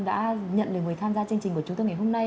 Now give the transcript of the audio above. đã nhận được người tham gia chương trình của chúng tôi ngày hôm nay